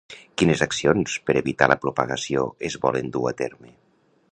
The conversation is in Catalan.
Quines accions per evitar la propagació es volen dur a terme?